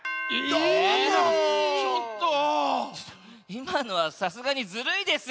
いまのはさすがにずるいです！